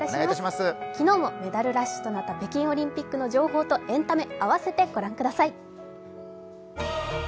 昨日もメダルラッシュとなった北京オリンピックの情報とエンタメ、併せて御覧ください。